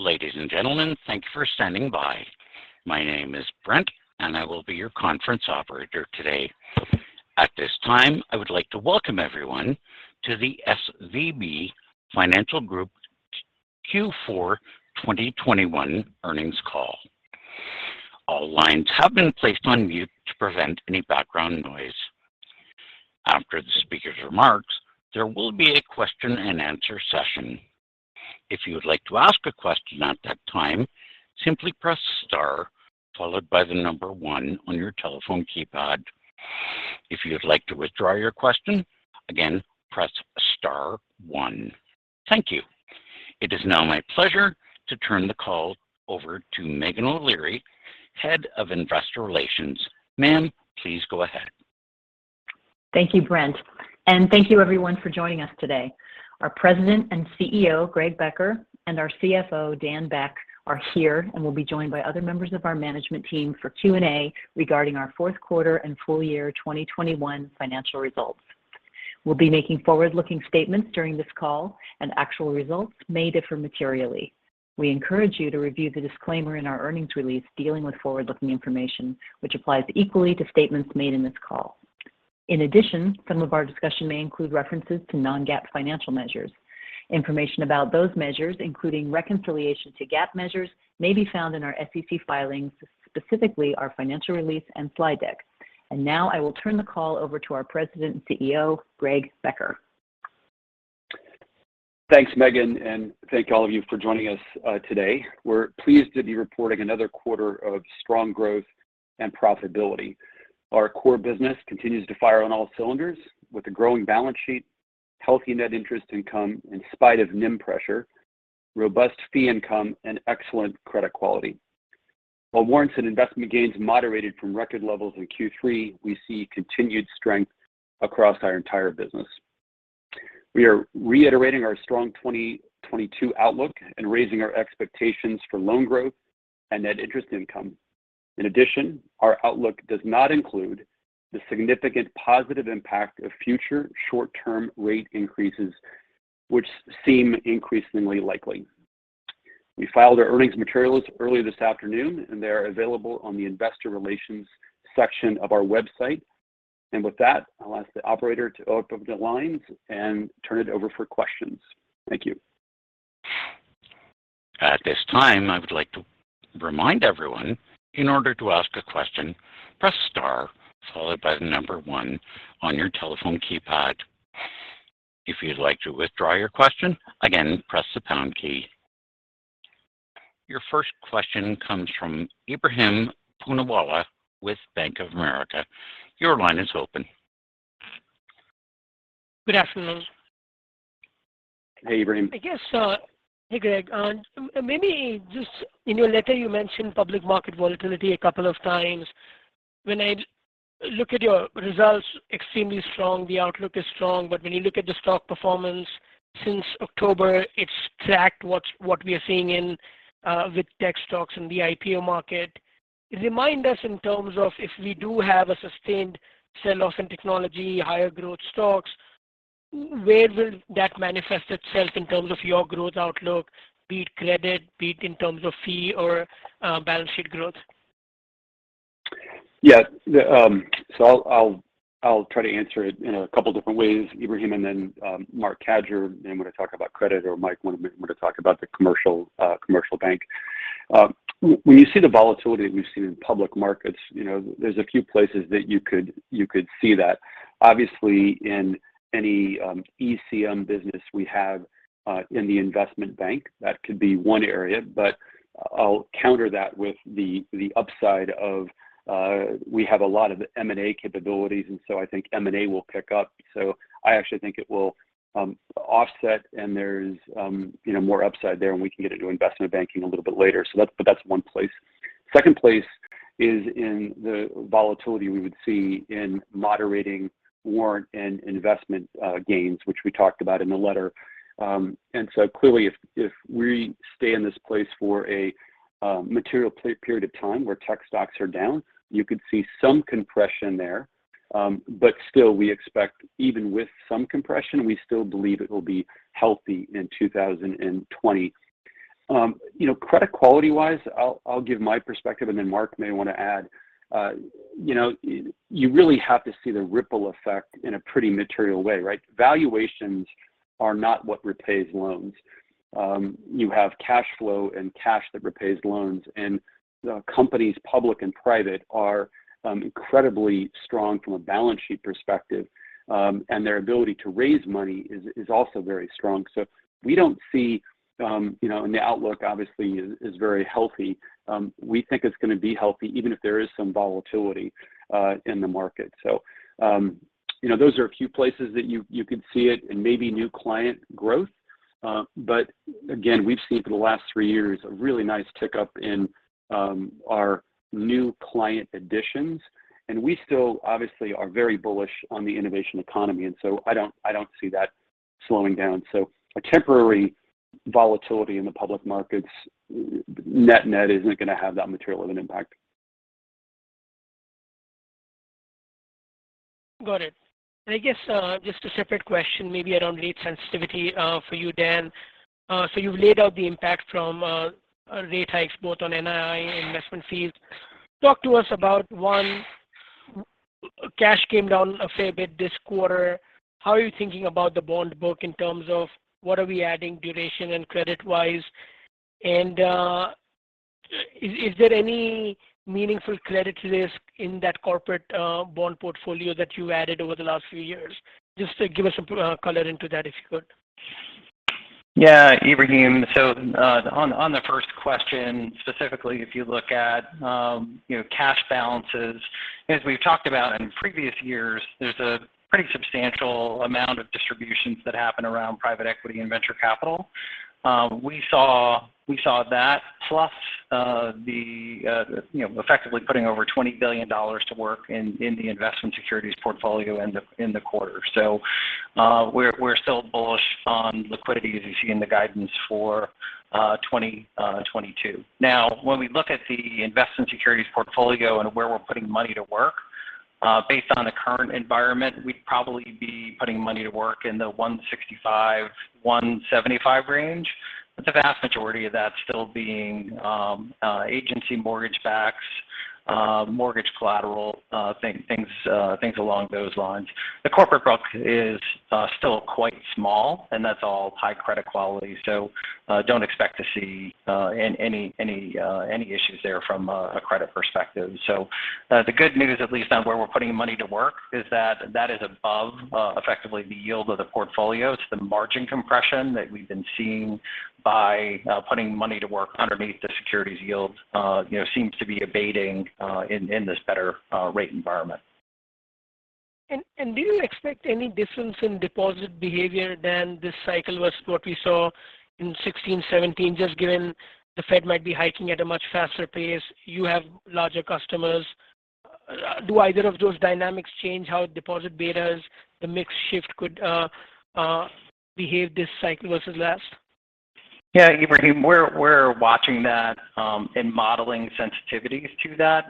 Ladies and gentlemen, thank you for standing by. My name is Brent, and I will be your conference operator today. At this time, I would like to welcome everyone to the SVB Financial Group Q4 2021 earnings call. All lines have been placed on mute to prevent any background noise. After the speaker's remarks, there will be a question-and-answer session. If you would like to ask a question at that time, simply press star followed by the number one on your telephone keypad. If you'd like to withdraw your question, again, press star one. Thank you. It is now my pleasure to turn the call over to Meghan O'Leary, Head of Investor Relations. Ma'am, please go ahead. Thank you, Brent, and thank you everyone for joining us today. Our president and CEO, Greg Becker, and our CFO, Dan Beck, are here and will be joined by other members of our management team for Q&A regarding our fourth quarter and full year 2021 financial results. We'll be making forward-looking statements during this call, and actual results may differ materially. We encourage you to review the disclaimer in our earnings release dealing with forward-looking information, which applies equally to statements made in this call. In addition, some of our discussion may include references to non-GAAP financial measures. Information about those measures, including reconciliation to GAAP measures, may be found in our SEC filings, specifically our financial release and slide deck. Now I will turn the call over to our president and CEO, Greg Becker. Thanks, Meghan, and thank all of you for joining us today. We're pleased to be reporting another quarter of strong growth and profitability. Our core business continues to fire on all cylinders with a growing balance sheet, healthy net interest income in spite of NIM pressure, robust fee income, and excellent credit quality. While warrants and investment gains moderated from record levels in Q3, we see continued strength across our entire business. We are reiterating our strong 2022 outlook and raising our expectations for loan growth and net interest income. In addition, our outlook does not include the significant positive impact of future short-term rate increases, which seem increasingly likely. We filed our earnings materials early this afternoon, and they are available on the investor relations section of our website. With that, I'll ask the operator to open up the lines and turn it over for questions. Thank you. At this time, I would like to remind everyone in order to ask a question, press star followed by the number one on your telephone keypad. If you'd like to withdraw your question, again, press the pound key. Your first question comes from Ebrahim Poonawala with Bank of America. Your line is open. Good afternoon. Hey, Ebrahim. I guess, hey, Greg. Maybe just in your letter, you mentioned public market volatility a couple of times. When I look at your results, extremely strong, the outlook is strong. When you look at the stock performance since October, it's tracked what we are seeing in with tech stocks in the IPO market. Remind us in terms of if we do have a sustained sell-off in technology, higher growth stocks, where will that manifest itself in terms of your growth outlook, be it credit, be it in terms of fee or balance sheet growth? Yeah. I'll try to answer it in a couple different ways, Ebrahim, and then Marc Cadieux may want to talk about credit, or Mike want to talk about the commercial bank. When you see the volatility that we've seen in public markets, you know, there's a few places that you could see that. Obviously, in any ECM business we have in the investment bank, that could be one area. I'll counter that with the upside of we have a lot of M&A capabilities, and I think M&A will pick up. I actually think it will offset and there's you know, more upside there, and we can get into investment banking a little bit later. That's one place. Second place is in the volatility we would see in moderating warrant and investment gains, which we talked about in the letter. Clearly if we stay in this place for a material period of time where tech stocks are down, you could see some compression there. Still, we expect even with some compression, we still believe it will be healthy in 2020. You know, credit quality-wise, I'll give my perspective and then Marc may want to add. You know, you really have to see the ripple effect in a pretty material way, right? Valuations are not what repays loans. You have cash flow and cash that repays loans, and the companies, public and private, are incredibly strong from a balance sheet perspective. Their ability to raise money is also very strong. We don't see, you know, and the outlook obviously is very healthy. We think it's gonna be healthy even if there is some volatility in the market. You know, those are a few places that you could see it in maybe new client growth. But again, we've seen for the last three years a really nice tick up in our new client additions, and we still obviously are very bullish on the innovation economy. I don't see that slowing down. A temporary volatility in the public markets net isn't going to have that material of an impact. Got it. I guess just a separate question maybe around rate sensitivity for you, Dan. You've laid out the impact from a rate hike both on NII and investment fees. Talk to us about, one, cash came down a fair bit this quarter. How are you thinking about the bond book in terms of what are we adding duration and credit-wise? Is there any meaningful credit risk in that corporate bond portfolio that you added over the last few years? Just give us some color on that, if you could. Yeah, Ebrahim. On the first question, specifically if you look at, you know, cash balances, as we've talked about in previous years, there's a pretty substantial amount of distributions that happen around private equity and venture capital. We saw that plus, you know, effectively putting over $20 billion to work in the investment securities portfolio in the quarter. We're still bullish on liquidity as you see in the guidance for 2022. Now, when we look at the investment securities portfolio and where we're putting money to work, based on the current environment, we'd probably be putting money to work in the 1.65-1.75 range, with the vast majority of that still being agency mortgage-backed securities, mortgage collateral, things along those lines. The corporate book is still quite small, and that's all high credit quality. Don't expect to see any issues there from a credit perspective. The good news at least on where we're putting money to work is that that is above effectively the yield of the portfolio. It's the margin compression that we've been seeing by putting money to work underneath the securities yield, you know, seems to be abating in this better rate environment. Do you expect any difference in deposit behavior than this cycle was what we saw in 2016, 2017, just given the Fed might be hiking at a much faster pace, you have larger customers. Do either of those dynamics change how deposit betas, the mix shift could behave this cycle versus last? Yeah, Ebrahim, we're watching that and modeling sensitivities to that.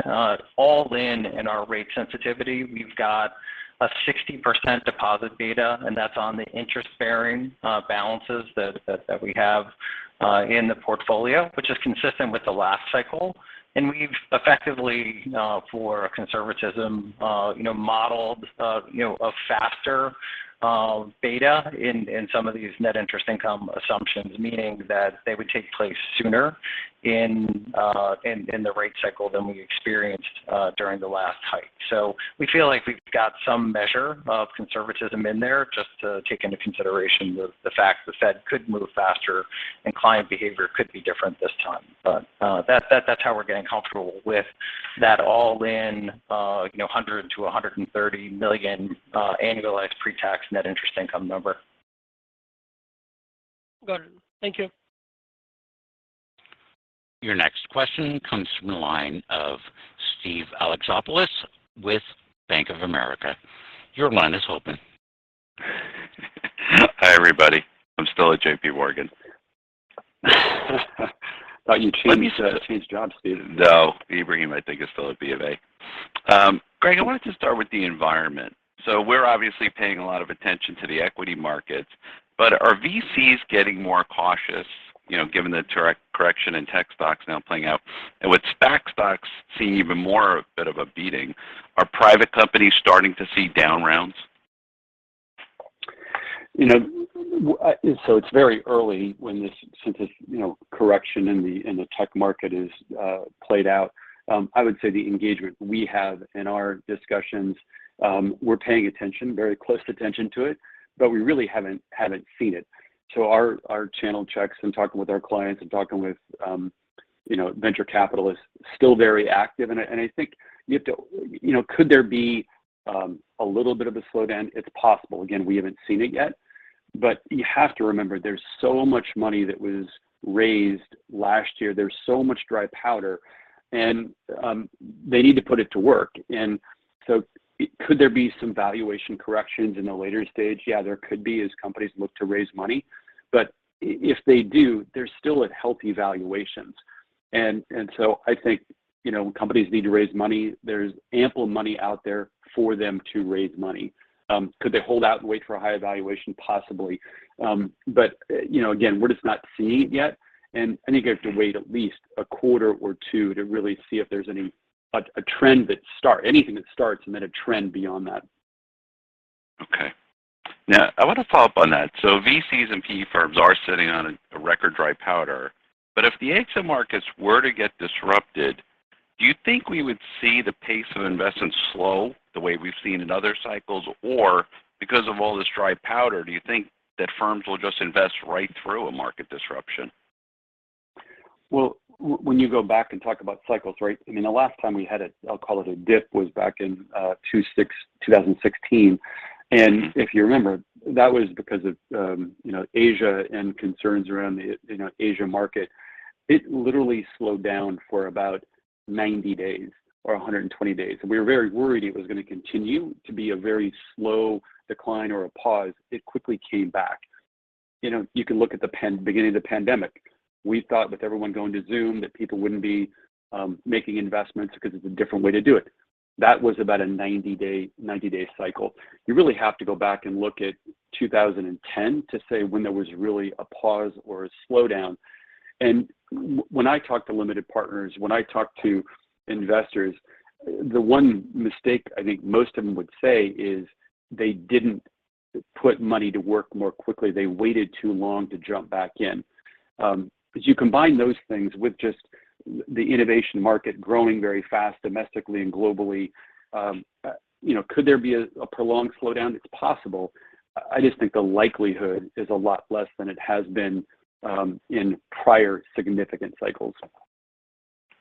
All in our rate sensitivity, we've got a 60% deposit beta, and that's on the interest-bearing balances that we have in the portfolio, which is consistent with the last cycle. We've effectively, for conservatism, you know, modeled a faster beta in some of these net interest income assumptions, meaning that they would take place sooner in the rate cycle than we experienced during the last hike. We feel like we've got some measure of conservatism in there just to take into consideration the fact the Fed could move faster and client behavior could be different this time. That's how we're getting comfortable with that all in, you know, $100 million-$130 million annualized pre-tax net interest income number. Got it. Thank you. Your next question comes from the line of Steve Alexopoulos with Bank of America. Your line is open. Hi, everybody. I'm still at JPMorgan. Thought you changed jobs, Steve. No. Ebrahim, I think he is still at BofA. Greg, I wanted to start with the environment. We're obviously paying a lot of attention to the equity markets, but are VCs getting more cautious, you know, given the recent correction in tech stocks now playing out? With SPAC stocks seeing even more of a bit of a beating, are private companies starting to see down rounds? It's very early since this you know correction in the tech market is played out. I would say the engagement we have in our discussions, we're paying very close attention to it, but we really haven't seen it. Our channel checks in talking with our clients and talking with venture capitalists still very active. I think you have to. Could there be a little bit of a slowdown? It's possible. Again, we haven't seen it yet. You have to remember, there's so much money that was raised last year. There's so much dry powder, and they need to put it to work. Could there be some valuation corrections in a later stage? Yeah, there could be as companies look to raise money. If they do, they're still at healthy valuations. I think, you know, when companies need to raise money, there's ample money out there for them to raise money. Could they hold out and wait for a higher valuation? Possibly. You know, again, we're just not seeing it yet, and I think you have to wait at least a quarter or two to really see if there's anything that starts and then a trend beyond that. Okay. Now, I want to follow up on that. VCs and PE firms are sitting on a record dry powder. If the exit markets were to get disrupted, do you think we would see the pace of investments slow the way we've seen in other cycles? Or because of all this dry powder, do you think that firms will just invest right through a market disruption? Well, when you go back and talk about cycles, right? I mean, the last time we had a, I'll call it a dip, was back in 2016. If you remember, that was because of, you know, Asia and concerns around the, you know, Asia market. It literally slowed down for about 90 days or 120 days. We were very worried it was going to continue to be a very slow decline or a pause. It quickly came back. You know, you can look at the beginning of the pandemic. We thought with everyone going to Zoom that people wouldn't be making investments because it's a different way to do it. That was about a 90-day cycle. You really have to go back and look at 2010 to say when there was really a pause or a slowdown. When I talk to limited partners, when I talk to investors, the one mistake I think most of them would say is they didn't put money to work more quickly. They waited too long to jump back in. As you combine those things with just the innovation market growing very fast domestically and globally, you know, could there be a prolonged slowdown? It's possible. I just think the likelihood is a lot less than it has been in prior significant cycles.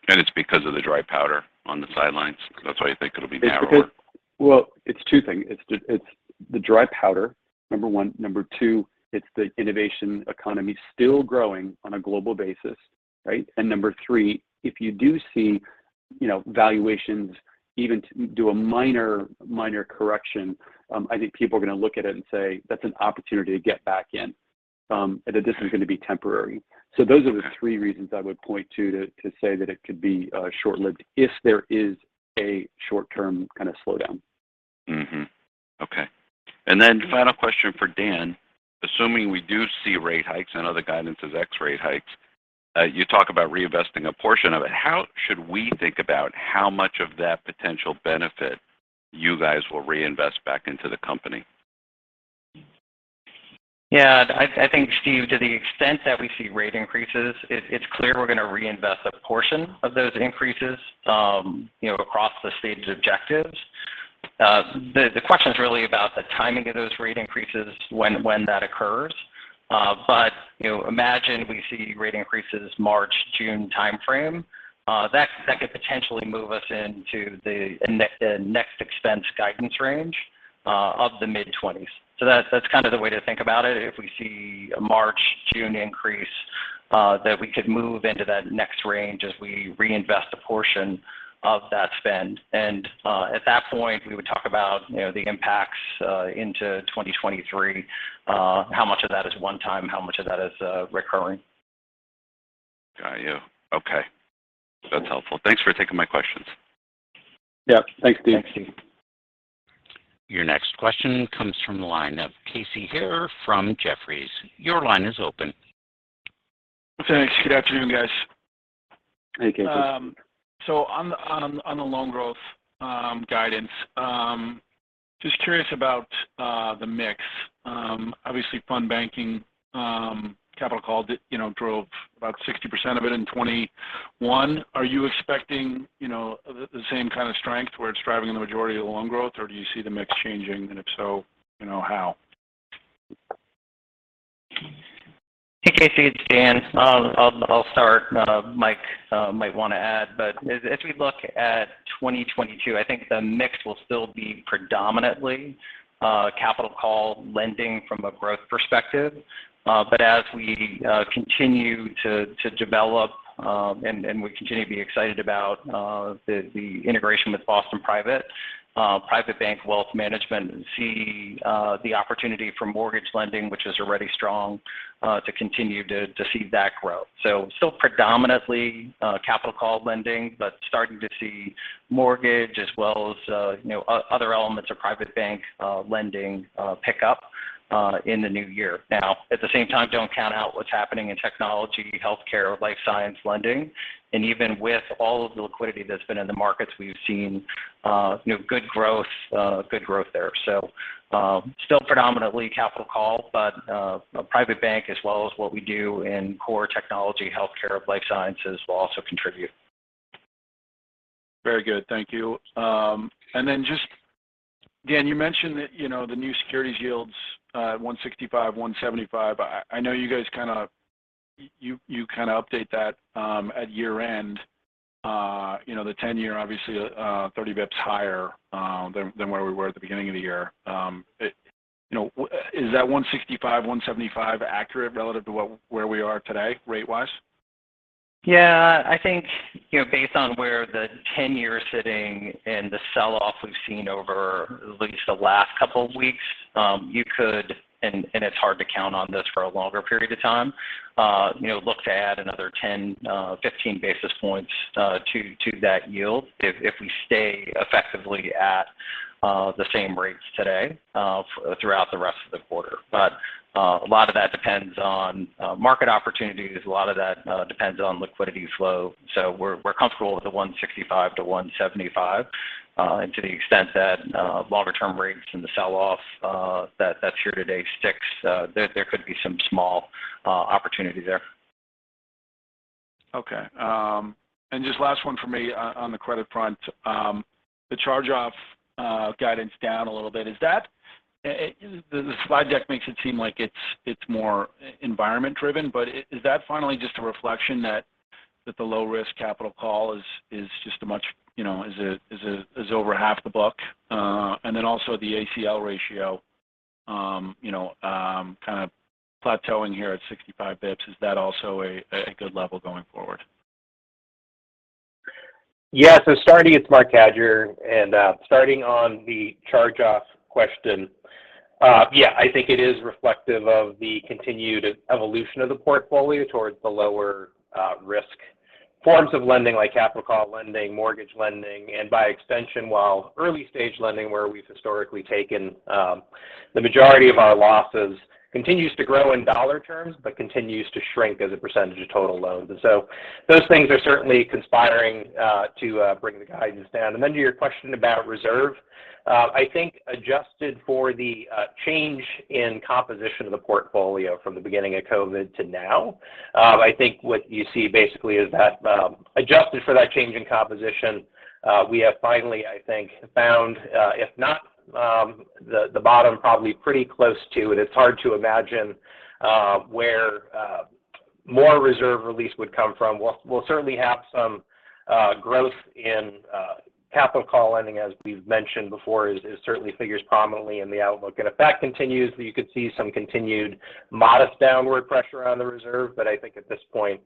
It's because of the dry powder on the sidelines? That's why you think it'll be narrower. It's because. Well, it's two things. It's the dry powder, number one. Number two, it's the innovation economy still growing on a global basis, right? And number three, if you do see, you know, valuations even to do a minor correction, I think people are going to look at it and say, "That's an opportunity to get back in," and that this is going to be temporary. Those are the three reasons I would point to say that it could be short-lived if there is a short-term kind of slowdown. Mm-hmm. Okay. Final question for Dan. Assuming we do see rate hikes and other guidance as expected rate hikes, you talk about reinvesting a portion of it. How should we think about how much of that potential benefit you guys will reinvest back into the company? Yeah. I think, Steve, to the extent that we see rate increases, it's clear we're going to reinvest a portion of those increases, you know, across the strategic objectives. The question is really about the timing of those rate increases when that occurs. You know, imagine we see rate increases March-June timeframe, that could potentially move us into the next expense guidance range of the mid-twenties. That's kind of the way to think about it. If we see a March-June increase, then we could move into that next range as we reinvest a portion of that spend. At that point, we would talk about, you know, the impacts into 2023, how much of that is one time, how much of that is recurring. Got you. Okay. That's helpful. Thanks for taking my questions. Yep. Thanks, Steve. Thanks, Steve. Your next question comes from the line of Casey Haire from Jefferies. Your line is open. Thanks. Good afternoon, guys. Hey, Casey. On the loan growth guidance, just curious about the mix. Obviously fund banking, capital call you know, drove about 60% of it in 2021. Are you expecting, you know, the same kind of strength where it's driving the majority of the loan growth? Or do you see the mix changing? And if so, you know, how? Hey, Casey, it's Dan. I'll start. Mike might want to add. As we look at 2022, I think the mix will still be predominantly capital call lending from a growth perspective. As we continue to develop and we continue to be excited about the integration with Boston Private Banking & Wealth Management, see the opportunity for mortgage lending, which is already strong, to continue to see that grow. Predominantly capital call lending, but starting to see mortgage as well as, you know, other elements of private bank lending pick up in the new year. Now, at the same time, don't count out what's happening in technology, healthcare, life sciences lending. Even with all of the liquidity that's been in the markets, we've seen, you know, good growth there. Still predominantly capital call, but Private Bank as well as what we do in core technology, healthcare, life sciences will also contribute. Very good. Thank you. Just, Dan, you mentioned that, you know, the new securities yields 1.65, 1.75. I know you guys kind of update that at year-end. You know, the 10-year obviously 30 basis points higher than where we were at the beginning of the year. You know, is that 1.65, 1.75 accurate relative to where we are today rate-wise? Yeah. I think, you know, based on where the 10-year is sitting and the sell-off we've seen over at least the last couple of weeks, you could, and it's hard to count on this for a longer period of time, you know, look to add another 10-15 basis points to that yield if we stay effectively at the same rates today throughout the rest of the quarter. A lot of that depends on market opportunities. A lot of that depends on liquidity flow. We're comfortable with the 165-175. To the extent that longer term rates and the sell-off that's here today sticks, there could be some small opportunity there. Okay. Just last one for me on the credit front. The charge-off guidance is down a little bit. Is that the slide deck makes it seem like it's more environment driven? Is that finally just a reflection that the low risk capital call is just a much, you know, is over half the book? And then also the ACL ratio kind of plateauing here at 65 basis points, is that also a good level going forward? Yeah. Starting, it's Marc Cadieux, and starting on the charge-off question. Yeah, I think it is reflective of the continued evolution of the portfolio towards the lower risk forms of lending like capital call lending, mortgage lending. By extension, while early-stage lending, where we've historically taken the majority of our losses continues to grow in dollar terms but continues to shrink as a percentage of total loans. Those things are certainly conspiring to bring the guidance down. To your question about reserve, I think adjusted for the change in composition of the portfolio from the beginning of COVID to now, I think what you see basically is that, adjusted for that change in composition, we have finally, I think, found, if not the bottom, probably pretty close to. It's hard to imagine where more reserve release would come from. We'll certainly have some growth in capital call lending, as we've mentioned before is certainly figures prominently in the outlook. If that continues, you could see some continued modest downward pressure on the reserve. I think at this point,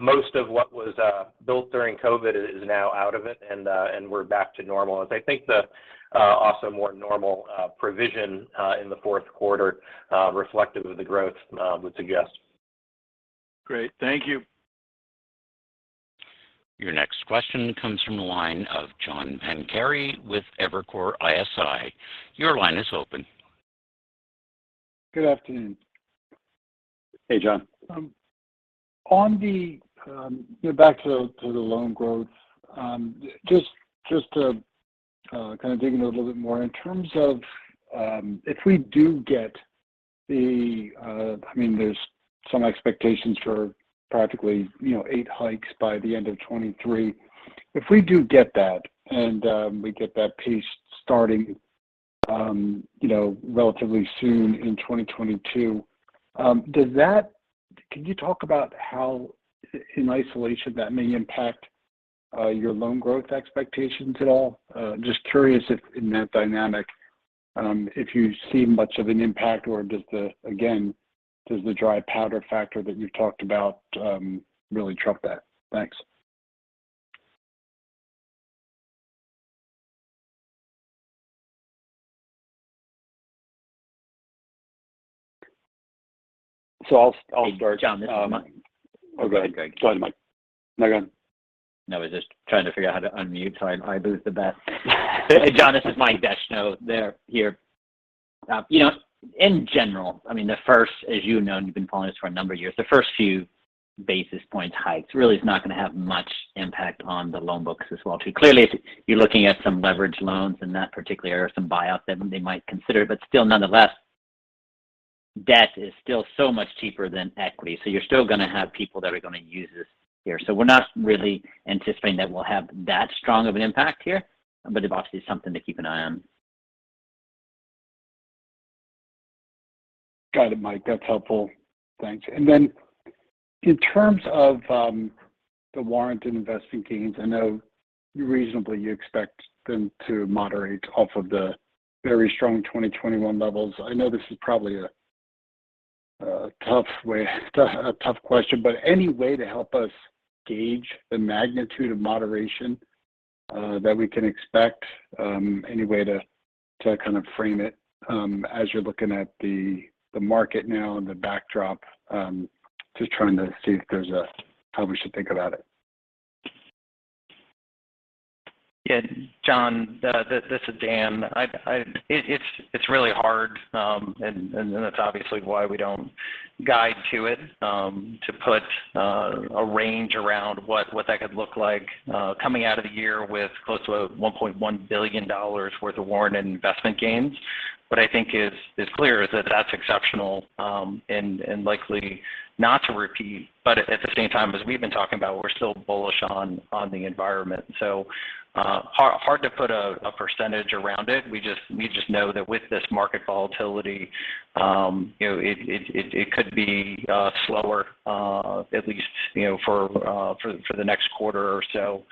most of what was built during COVID is now out of it, and we're back to normal. As I think the also more normal provision in the fourth quarter reflective of the growth would suggest. Great. Thank you. Your next question comes from the line of John Pancari with Evercore ISI. Your line is open. Good afternoon. Hey, John. You know, back to the loan growth. Just to kind of dig into a little bit more in terms of if we do get. I mean, there's some expectations for practically, you know, 8 hikes by the end of 2023. If we do get that, and we get that pace starting, you know, relatively soon in 2022, can you talk about how in isolation that may impact your loan growth expectations at all? Just curious if in that dynamic, if you see much of an impact or does the dry powder factor that you've talked about really trump that? Thanks. I'll start. Hey, John, this is Mike. Oh, go ahead, Greg. Sorry, Mike. No, go on. No, I was just trying to figure out how to unmute so I could do the best. Hey, John, this is Mike Descheneaux here. You know, in general, I mean, as you know, and you've been following this for a number of years, the first few basis points hikes really is not gonna have much impact on the loan books as well, too. Clearly, if you're looking at some leverage loans in that particular area or some buyouts that they might consider. But still nonetheless, debt is still so much cheaper than equity, so you're still gonna have people that are gonna use this here. We're not really anticipating that we'll have that strong of an impact here. But obviously something to keep an eye on. Got it, Mike. That's helpful. Thanks. In terms of the warrant and investment gains, I know reasonably you expect them to moderate off of the very strong 2021 levels. I know this is probably a tough question, but any way to help us gauge the magnitude of moderation that we can expect? Any way to kind of frame it as you're looking at the market now and the backdrop? Just trying to see how we should think about it. Yeah. John, this is Dan. It's really hard, and that's obviously why we don't guide to it, to put a range around what that could look like coming out of the year with close to $1.1 billion worth of warrant and investment gains. What I think is clear is that that's exceptional, and likely not to repeat. But at the same time, as we've been talking about, we're still bullish on the environment. Hard to put a percentage around it. We just know that with this market volatility, you know, it could be slower, at least, you know, for the next quarter or so,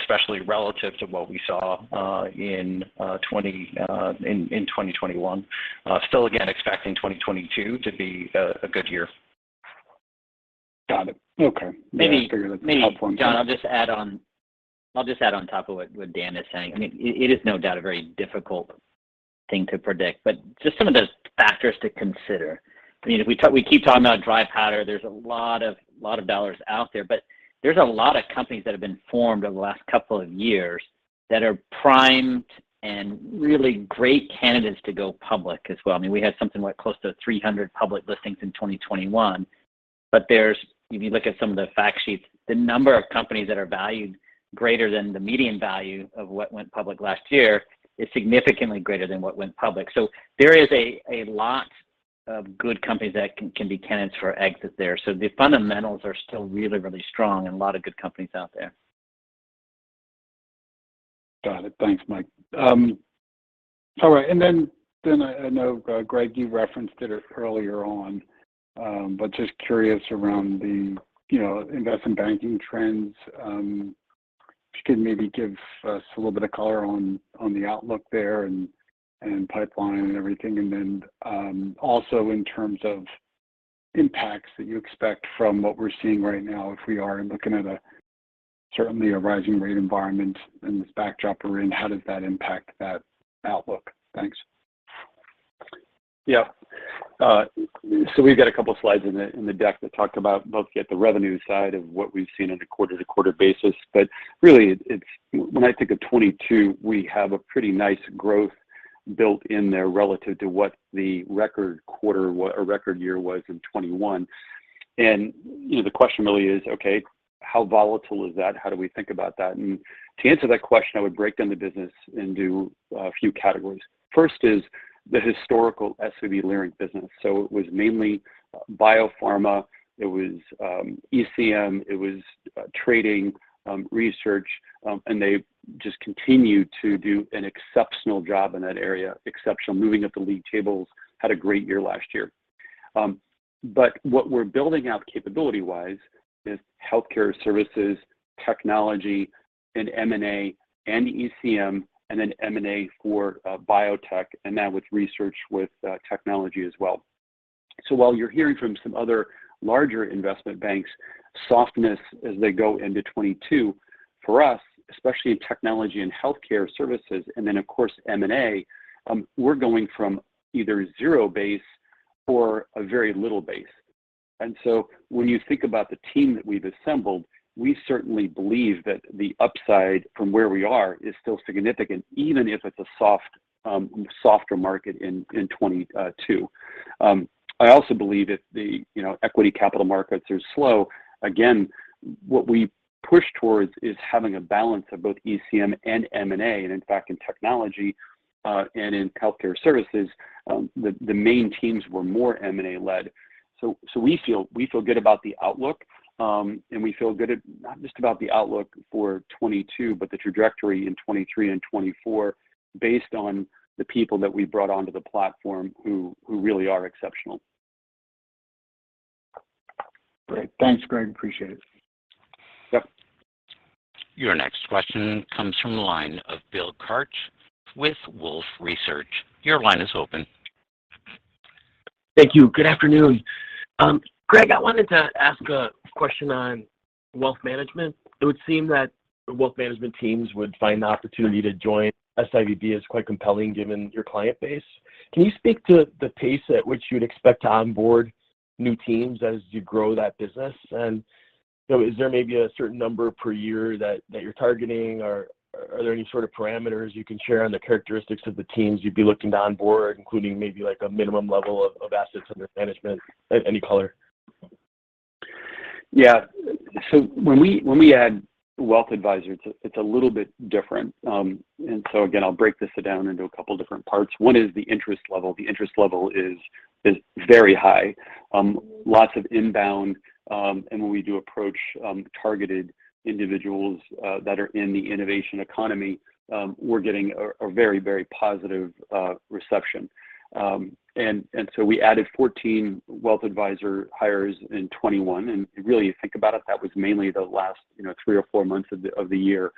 especially relative to what we saw in 2021. Still again expecting 2022 to be a good year. Got it. Okay. Maybe- Yeah, I figured it was helpful. Maybe, John, I'll just add on top of what Dan is saying. I mean, it is no doubt a very difficult thing to predict, but just some of the factors to consider. I mean, we keep talking about dry powder. There's a lot of dollars out there. But there's a lot of companies that have been formed over the last couple of years that are primed and really great candidates to go public as well. I mean, we had something like close to 300 public listings in 2021. If you look at some of the fact sheets, the number of companies that are valued greater than the median value of what went public last year is significantly greater than what went public. There is a lot of good companies that can be candidates for exit there. The fundamentals are still really strong and a lot of good companies out there. Got it. Thanks, Mike. All right. Then I know, Greg, you referenced it earlier on, but just curious around the, you know, investment banking trends. If you can maybe give us a little bit of color on the outlook there and pipeline and everything. Also in terms of impacts that you expect from what we're seeing right now if we are looking at certainly a rising rate environment and this backdrop we're in, how does that impact that outlook? Thanks. We've got a couple slides in the deck that talk about both the revenue side of what we've seen in a quarter-to-quarter basis. Really it's when I think of 2022, we have a pretty nice growth built in there relative to what the record quarter or record year was in 2021. You know, the question really is, okay, how volatile is that? How do we think about that? To answer that question, I would break down the business into a few categories. First is the historical SVB Leerink business. It was mainly biopharma, it was ECM, it was trading, research, and they just continue to do an exceptional job in that area. Exceptional. Moving up the league tables. Had a great year last year. What we're building out capability-wise is healthcare services, technology, and M&A, and ECM, and then M&A for biotech, and now with research with technology as well. While you're hearing from some other larger investment banks softness as they go into 2022, for us, especially in technology and healthcare services, and then of course M&A, we're going from either zero base or a very little base. When you think about the team that we've assembled, we certainly believe that the upside from where we are is still significant, even if it's a soft, softer market in 2022. I also believe if the, you know, equity capital markets are slow, again, what we push towards is having a balance of both ECM and M&A. In fact in technology, and in healthcare services, the main teams were more M&A-led. We feel good about the outlook, and we feel good, not just about the outlook for 2022, but the trajectory in 2023 and 2024 based on the people that we brought onto the platform who really are exceptional. Great. Thanks, Greg. Appreciate it. Yep. Your next question comes from the line of Bill Carcache with Wolfe Research. Your line is open. Thank you. Good afternoon. Greg, I wanted to ask a question on wealth management. It would seem that the wealth management teams would find the opportunity to join SVB as quite compelling given your client base. Can you speak to the pace at which you'd expect to onboard new teams as you grow that business? You know, is there maybe a certain number per year that you're targeting or are there any sort of parameters you can share on the characteristics of the teams you'd be looking to onboard, including maybe like a minimum level of assets under management? Any color. Yeah. When we add wealth advisors, it's a little bit different. Again, I'll break this down into a couple different parts. One is the interest level. The interest level is very high. Lots of inbound, and when we do approach targeted individuals that are in the innovation economy, we're getting a very positive reception. We added 14 wealth advisor hires in 2021, and really you think about it, that was mainly the last, you know, three or four months of the year.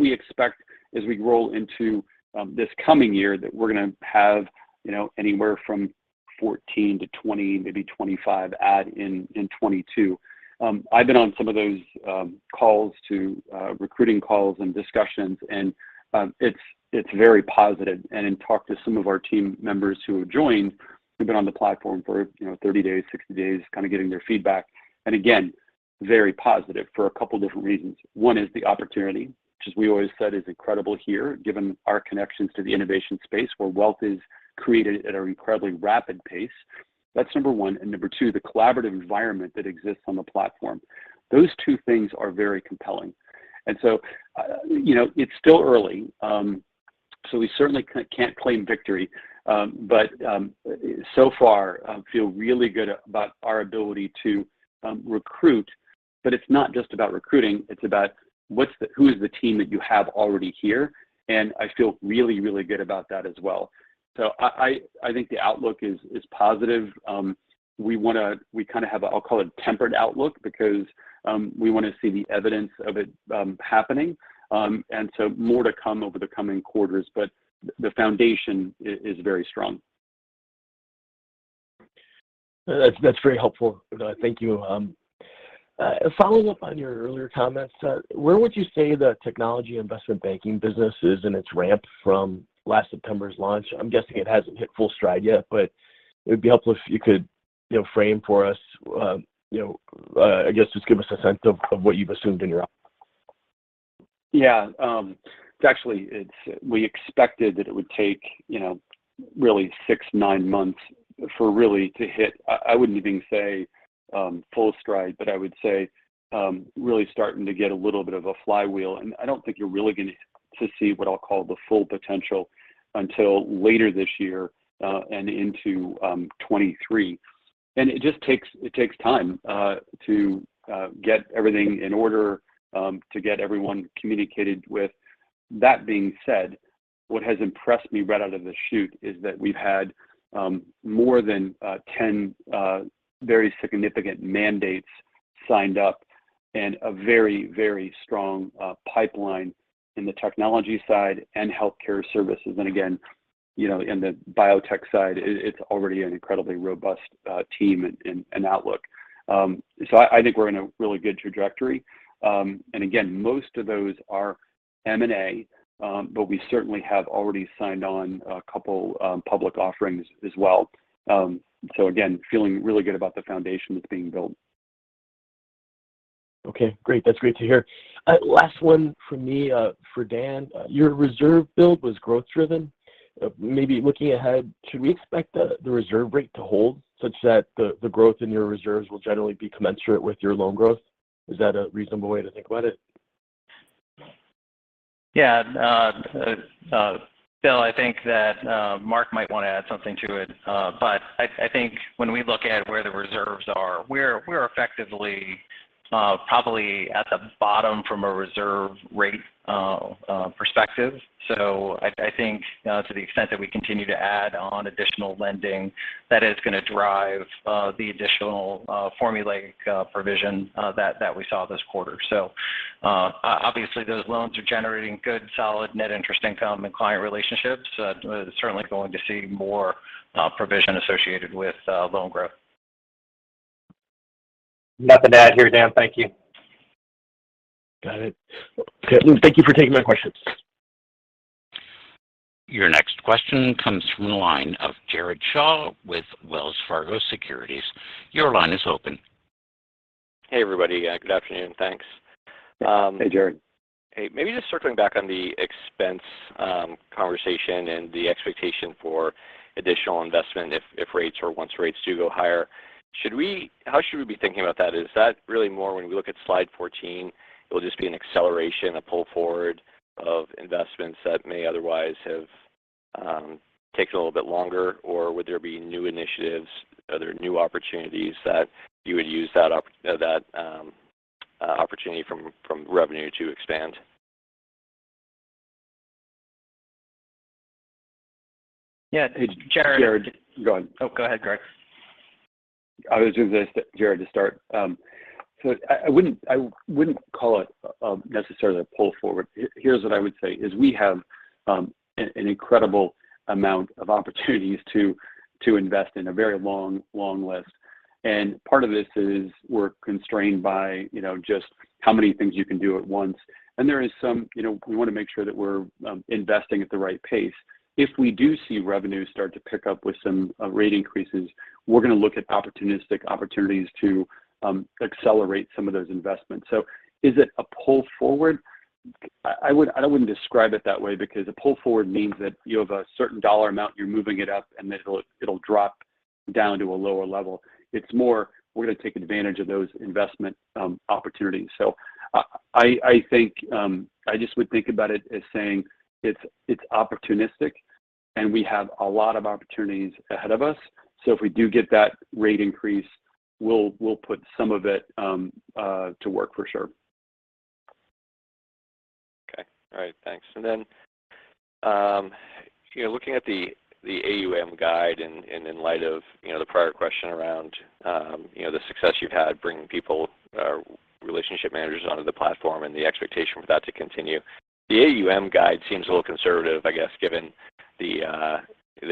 We expect as we roll into this coming year that we're gonna have, you know, anywhere from 14 to 20, maybe 25 adds in 2022. I've been on some of those calls to recruiting calls and discussions and it's very positive. In talking to some of our team members who have joined, we've been on the platform for, you know, 30 days, 60 days, kind of getting their feedback. Again, very positive for a couple different reasons. One is the opportunity, which as we always said is incredible here, given our connections to the innovation space where wealth is created at an incredibly rapid pace. That's number one. Number two, the collaborative environment that exists on the platform. Those two things are very compelling. You know, it's still early, so we certainly can't claim victory. So far I feel really good about our ability to recruit. It's not just about recruiting, it's about who is the team that you have already here, and I feel really good about that as well. I think the outlook is positive. We kind of have a, I'll call it tempered outlook because we wanna see the evidence of it happening. More to come over the coming quarters, but the foundation is very strong. That's very helpful. No, thank you. Following up on your earlier comments, where would you say the technology investment banking business is in its ramp from last September's launch? I'm guessing it hasn't hit full stride yet, but it would be helpful if you could, you know, frame for us, I guess just give us a sense of what you've assumed in your outlook. Yeah. It's actually we expected that it would take, you know, really 6-9 months for really to hit. I wouldn't even say full stride, but I would say really starting to get a little bit of a flywheel. I don't think you're really going to see what I'll call the full potential until later this year and into 2023. It just takes time to get everything in order to get everyone communicated with. That being said, what has impressed me right out of the chute is that we've had more than 10 very significant mandates signed up. A very, very strong pipeline in the technology side and healthcare services. Again, you know, in the biotech side, it's already an incredibly robust team and outlook. I think we're in a really good trajectory. Again, most of those are M&A, but we certainly have already signed on a couple public offerings as well. Again, feeling really good about the foundation that's being built. Okay, great. That's great to hear. Last one from me, for Dan. Your reserve build was growth driven. Maybe looking ahead, should we expect the reserve rate to hold such that the growth in your reserves will generally be commensurate with your loan growth? Is that a reasonable way to think about it? Yeah. Bill, I think that, Marc might wanna add something to it. I think when we look at where the reserves are, we're effectively probably at the bottom from a reserve rate perspective. I think, to the extent that we continue to add on additional lending, that is gonna drive the additional formulaic provision that we saw this quarter. Obviously, those loans are generating good, solid net interest income and client relationships. Certainly going to see more provision associated with loan growth. Nothing to add here, Dan. Thank you. Got it. Okay. Thank you for taking my questions. Your next question comes from the line of Jared Shaw with Wells Fargo Securities. Your line is open. Hey, everybody. Good afternoon. Thanks. Hey, Jared. Hey. Maybe just circling back on the expense conversation and the expectation for additional investment if rates or once rates do go higher. How should we be thinking about that? Is that really more when we look at slide 14, it will just be an acceleration, a pull forward of investments that may otherwise have taken a little bit longer, or would there be new initiatives? Are there new opportunities that you would use that opportunity, you know, from revenue to expand? Yeah. Jared- Jared. Go on. Oh, go ahead, Greg. I was going to say, Jared, to start. I wouldn't call it necessarily a pull forward. Here's what I would say, we have an incredible amount of opportunities to invest in, a very long list. Part of this is we're constrained by, you know, just how many things you can do at once. There is some, you know, we want to make sure that we're investing at the right pace. If we do see revenue start to pick up with some rate increases, we're going to look at opportunistic opportunities to accelerate some of those investments. Is it a pull forward? I wouldn't describe it that way because a pull forward means that you have a certain dollar amount, you're moving it up, and then it'll drop down to a lower level. It's more we're gonna take advantage of those investment opportunities. I think I just would think about it as saying it's opportunistic, and we have a lot of opportunities ahead of us. If we do get that rate increase, we'll put some of it to work for sure. Okay. All right. Thanks. You know, looking at the AUM guide and in light of the prior question around the success you've had bringing people relationship managers onto the platform and the expectation for that to continue. The AUM guide seems a little conservative, I guess, given the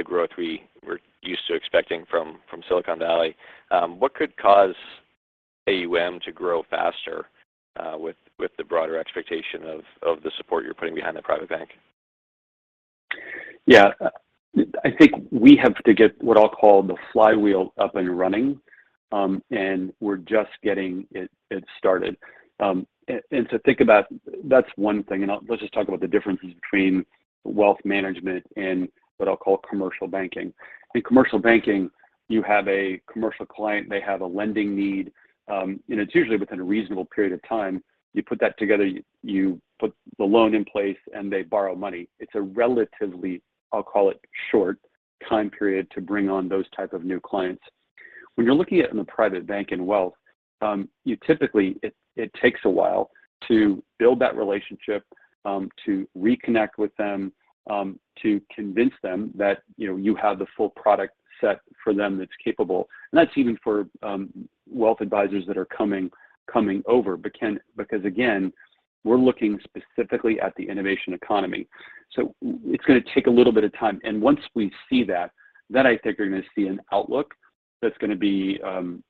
growth we were used to expecting from Silicon Valley. What could cause AUM to grow faster with the broader expectation of the support you're putting behind the private bank? Yeah. I think we have to get what I'll call the flywheel up and running, and we're just getting it started. That's one thing. Let's just talk about the differences between wealth management and what I'll call commercial banking. In commercial banking, you have a commercial client. They have a lending need, and it's usually within a reasonable period of time. You put that together, you put the loan in place, and they borrow money. It's a relatively short time period, I'll call it, to bring on those type of new clients. When you're looking at in the private bank and wealth, you typically it takes a while to build that relationship, to reconnect with them, to convince them that you know you have the full product set for them that's capable. That's even for wealth advisors that are coming over. Because again, we're looking specifically at the innovation economy. It's gonna take a little bit of time. Once we see that, then I think you're gonna see an outlook that's gonna be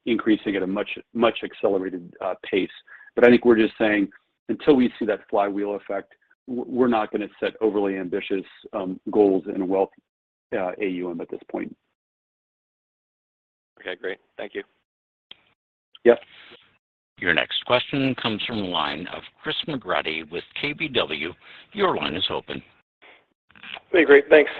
increasing at a much accelerated pace. I think we're just saying until we see that flywheel effect, we're not gonna set overly ambitious goals in wealth AUM at this point. Okay, great. Thank you. Yep. Your next question comes from the line of Chris McGratty with KBW. Your line is open. Hey, great. Thanks.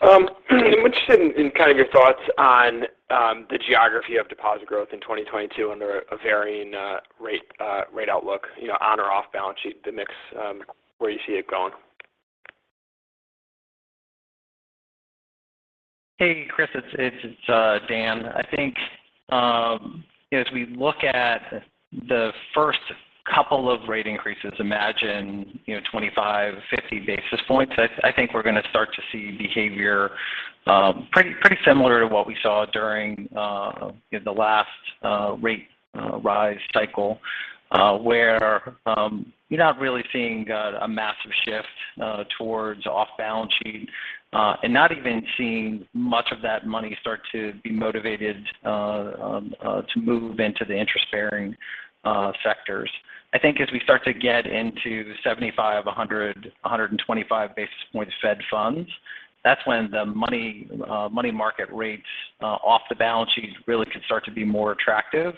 I'm interested in kind of your thoughts on the geography of deposit growth in 2022 under a varying rate outlook, you know, on or off balance sheet, the mix, where you see it going. Hey, Chris. It's Dan. I think you know as we look at the first couple of rate increases, imagine you know 25, 50 basis points. I think we're gonna start to see behavior pretty similar to what we saw during you know the last rate rise cycle where you're not really seeing a massive shift towards off balance sheet and not even seeing much of that money start to be motivated to move into the interest bearing sectors. I think as we start to get into 75, 100, 125 basis point Fed funds, that's when the money market rates off the balance sheet really can start to be more attractive.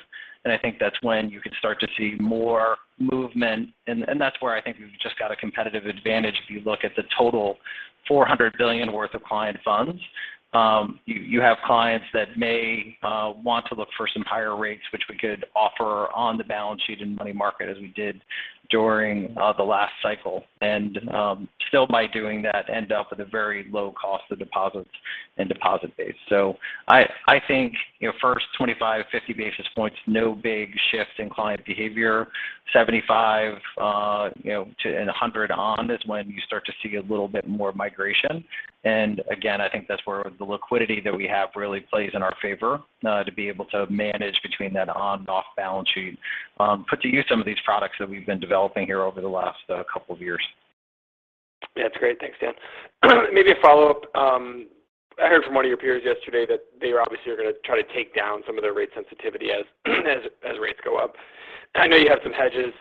I think that's when you can start to see more movement and that's where I think we've just got a competitive advantage if you look at the total $400 billion worth of client funds. You have clients that may want to look for some higher rates, which we could offer on the balance sheet and money market as we did during the last cycle and still by doing that end up with a very low cost of deposits and deposit base. I think, you know, first 25, 50 basis points, no big shift in client behavior. 75, you know, to 100 basis points is when you start to see a little bit more migration. Again, I think that's where the liquidity that we have really plays in our favor, to be able to manage between that on and off balance sheet, put to use some of these products that we've been developing here over the last couple of years. Yeah. That's great. Thanks, Dan. Maybe a follow-up. I heard from one of your peers yesterday that they obviously are gonna try to take down some of their rate sensitivity as rates go up. I know you have some hedges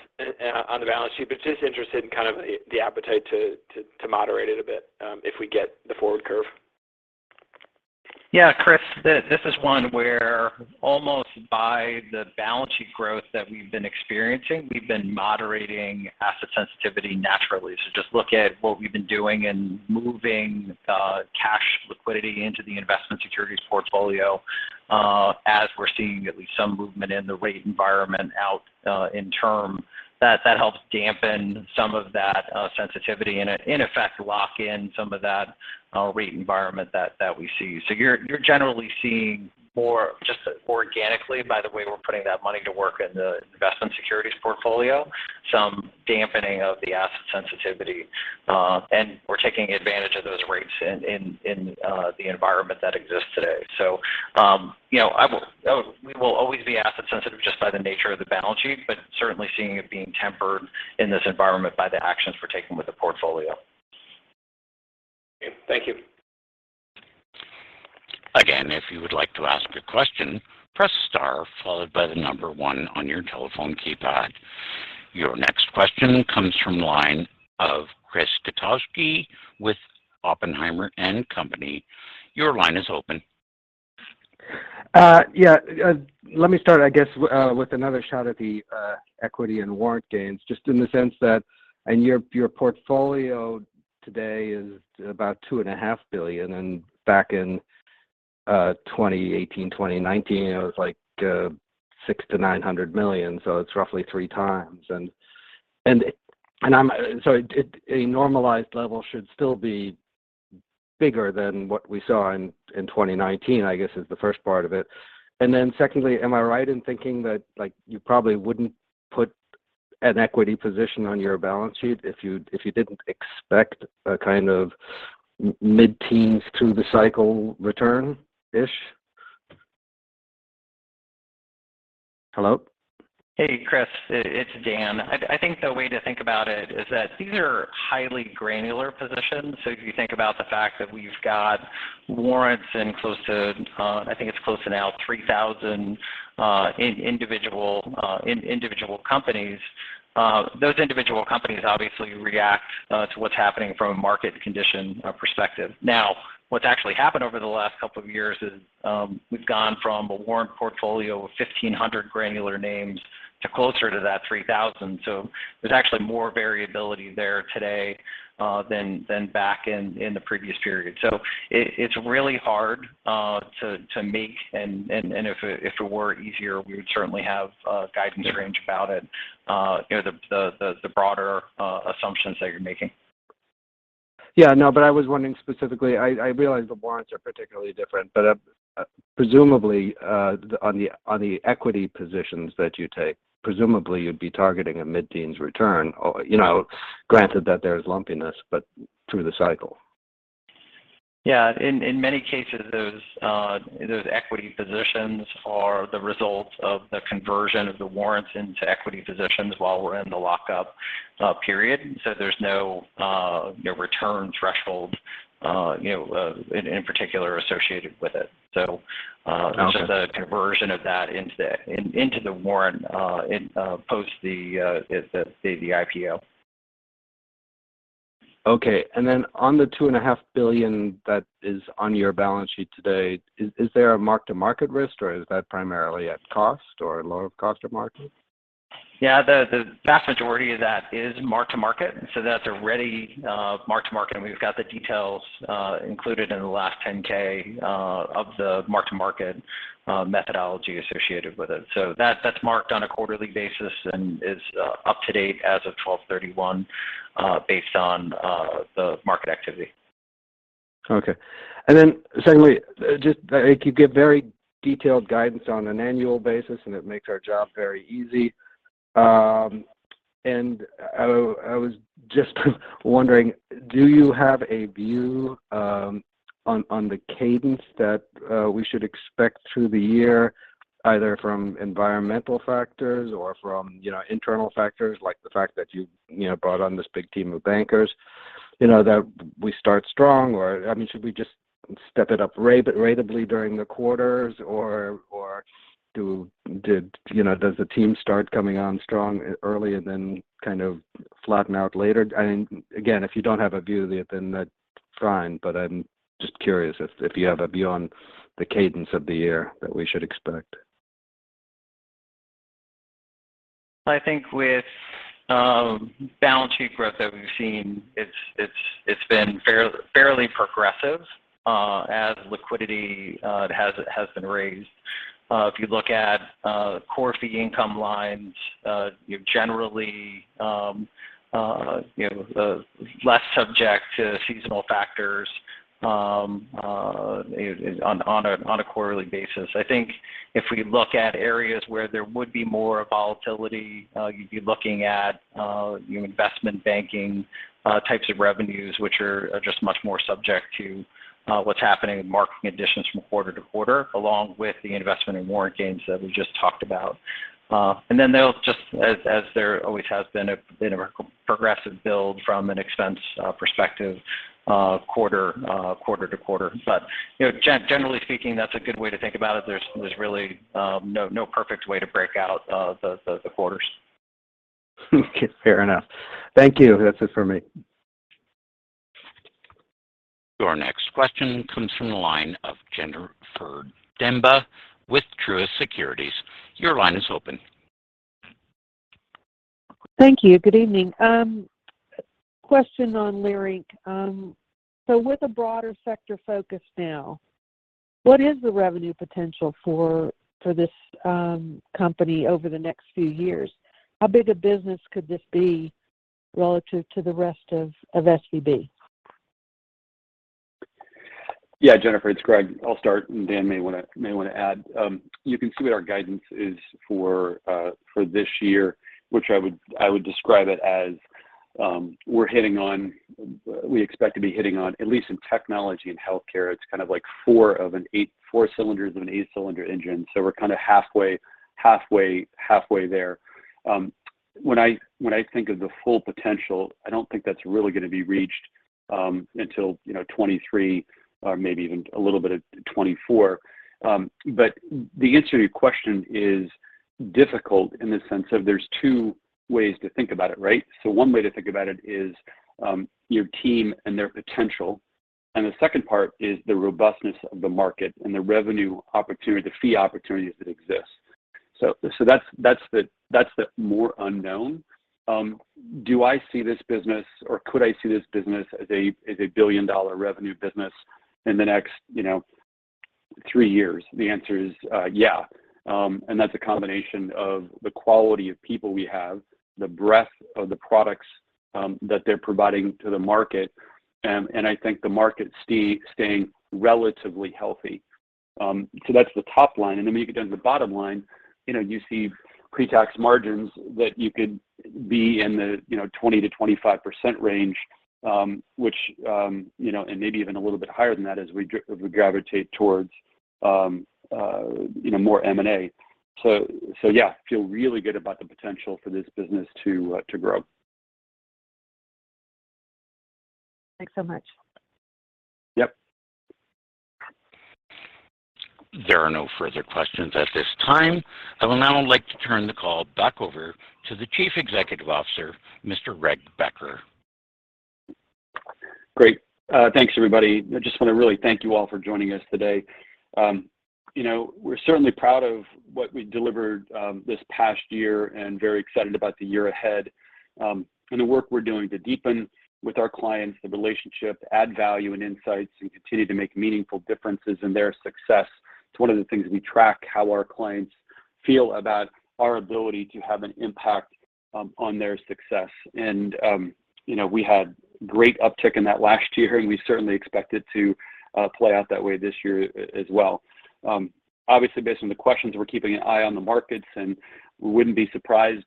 on the balance sheet, but just interested in kind of the appetite to moderate it a bit, if we get the forward curve? Yeah. Chris, this is one where almost by the balance sheet growth that we've been experiencing, we've been moderating asset sensitivity naturally. Just look at what we've been doing in moving cash liquidity into the investment securities portfolio as we're seeing at least some movement in the rate environment out in term. That helps dampen some of that sensitivity and in effect lock in some of that rate environment that we see. You're generally seeing more just organically by the way we're putting that money to work in the investment securities portfolio some dampening of the asset sensitivity and we're taking advantage of those rates in the environment that exists today. you know, we will always be asset sensitive just by the nature of the balance sheet, but certainly seeing it being tempered in this environment by the actions we're taking with the portfolio. Okay. Thank you. Again, if you would like to ask a question, press star followed by the number 1 on your telephone keypad. Your next question comes from the line of Chris Kotowski with Oppenheimer & Co. Your line is open. Yeah. Let me start, I guess, with another shot at the equity and warrant gains, just in the sense that your portfolio today is about $2.5 billion, and back in 2018, 2019, it was like $600 million to $900 million. It's roughly 3 times. A normalized level should still be bigger than what we saw in 2019, I guess, is the first part of it. Secondly, am I right in thinking that, like, you probably wouldn't put an equity position on your balance sheet if you didn't expect a kind of mid-teens through the cycle return-ish? Hello? Hey, Chris. It's Dan. I think the way to think about it is that these are highly granular positions. So if you think about the fact that we've got warrants in close to, I think it's close to now 3,000 individual companies, those individual companies obviously react to what's happening from a market condition perspective. Now, what's actually happened over the last couple of years is, we've gone from a warrant portfolio of 1,500 granular names to closer to that 3,000. So there's actually more variability there today than back in the previous period. So it's really hard to make, and if it were easier, we would certainly have a guidance range about it, you know, the broader assumptions that you're making. Yeah. No, but I was wondering specifically. I realize the warrants are particularly different, but, presumably, on the equity positions that you take, presumably you'd be targeting a mid-teens return or, you know, granted that there's lumpiness, but through the cycle. Yeah. In many cases, those equity positions are the results of the conversion of the warrants into equity positions while we're in the lockup period. So there's no, you know, return threshold, you know, in particular associated with it. So Okay. The conversion of that into the warrant in post the IPO. Okay. On the $2.5 billion that is on your balance sheet today, is there a mark-to-market risk, or is that primarily at cost or lower of cost or market? Yeah. The vast majority of that is mark-to-market. That's already mark-to-market, and we've got the details included in the last 10-K of the mark-to-market methodology associated with it. That's marked on a quarterly basis and is up to date as of 12/31 based on the market activity. Okay. Secondly, just I think you give very detailed guidance on an annual basis, and it makes our job very easy. I was just wondering, do you have a view on the cadence that we should expect through the year, either from environmental factors or from, you know, internal factors like the fact that you've, you know, brought on this big team of bankers, you know, that we start strong or, I mean, should we just step it up ratably during the quarters or does the team start coming on strong early and then kind of flatten out later? Again, if you don't have a view then that's fine, but I'm just curious if you have a view on the cadence of the year that we should expect. I think with balance sheet growth that we've seen, it's been fairly progressive as liquidity has been raised. If you look at core fee income lines, you're generally you know less subject to seasonal factors on a quarterly basis. I think if we look at areas where there would be more volatility, you'd be looking at you know investment banking types of revenues, which are just much more subject to what's happening in market conditions from quarter to quarter, along with the investment in warrant gains that we just talked about. They'll just as there always has been a progressive build from an expense perspective quarter to quarter. You know, generally speaking, that's a good way to think about it. There's really no perfect way to break out the quarters. Okay. Fair enough. Thank you. That's it for me. Your next question comes from the line of Jennifer Demba with Truist Securities. Your line is open. Thank you. Good evening. Question on Leerink. With a broader sector focus now, what is the revenue potential for this company over the next few years? How big a business could this be relative to the rest of SVB? Yeah. Jennifer, it's Greg. I'll start, and Dan may wanna add. You can see what our guidance is for this year, which I would describe it as. We expect to be hitting on, at least in technology and healthcare, it's kind of like four of an eight - four cylinders of an eight-cylinder engine, so we're kind of halfway there. When I think of the full potential, I don't think that's really gonna be reached until, you know, 2023 or maybe even a little bit of 2024. But the answer to your question is difficult in the sense of there's two ways to think about it, right? One way to think about it is, your team and their potential, and the second part is the robustness of the market and the revenue opportunity, the fee opportunities that exist. That's the more unknown. Do I see this business or could I see this business as a billion-dollar revenue business in the next, you know, three years? The answer is, yeah. That's a combination of the quality of people we have, the breadth of the products that they're providing to the market, and I think the market staying relatively healthy. That's the top line. When you get down to the bottom line, you know, you see pre-tax margins that you could be in the, you know, 20%-25% range, which, you know, and maybe even a little bit higher than that as we gravitate towards, you know, more M&A. So yeah, feel really good about the potential for this business to grow. Thanks so much. Yep. There are no further questions at this time. I would now like to turn the call back over to the Chief Executive Officer, Mr. Greg Becker. Great. Thanks everybody. I just wanna really thank you all for joining us today. You know, we're certainly proud of what we delivered this past year and very excited about the year ahead, and the work we're doing to deepen with our clients the relationship, add value and insights, and continue to make meaningful differences in their success. It's one of the things we track, how our clients feel about our ability to have an impact on their success. You know, we had great uptick in that last year, and we certainly expect it to play out that way this year as well. Obviously based on the questions, we're keeping an eye on the markets, and we wouldn't be surprised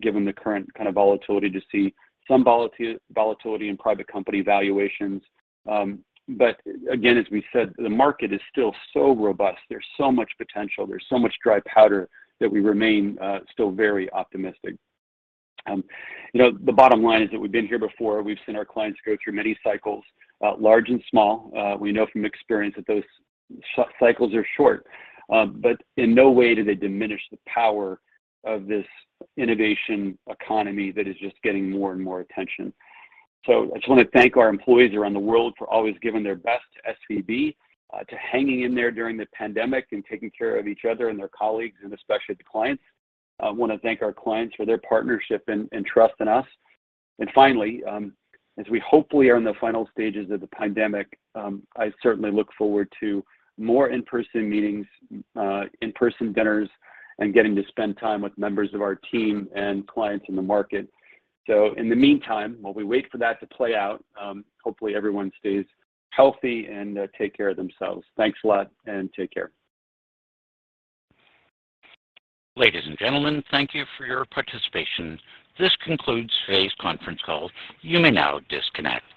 given the current kind of volatility to see some volatility in private company valuations. Again, as we said, the market is still so robust. There's so much potential. There's so much dry powder that we remain still very optimistic. You know, the bottom line is that we've been here before. We've seen our clients go through many cycles, large and small. We know from experience that those cycles are short, but in no way do they diminish the power of this innovation economy that is just getting more and more attention. I just wanna thank our employees around the world for always giving their best to SVB, to hanging in there during the pandemic and taking care of each other and their colleagues and especially the clients. I wanna thank our clients for their partnership and trust in us. as we hopefully are in the final stages of the pandemic, I certainly look forward to more in-person meetings, in-person dinners, and getting to spend time with members of our team and clients in the market. In the meantime, while we wait for that to play out, hopefully everyone stays healthy and take care of themselves. Thanks a lot, and take care. Ladies and gentlemen, thank you for your participation. This concludes today's conference call. You may now disconnect.